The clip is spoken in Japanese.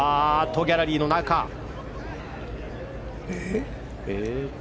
ギャラリーの中へ。